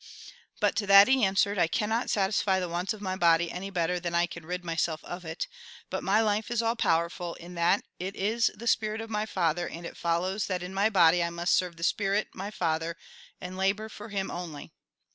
But to that he answered, " I cannot satisfy the wants of my body any better than I can rid myself of it ; but my life is all powerful, in that it is the spirit of my Father ; and it follows that in my body I must serve the spirit, my Father, and labour for Him only